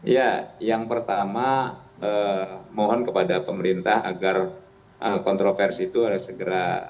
ya yang pertama mohon kepada pemerintah agar kontroversi itu harus segera